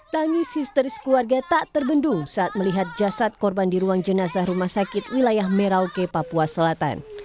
tangis histeris keluarga tak terbendung saat melihat jasad korban di ruang jenazah rumah sakit wilayah merauke papua selatan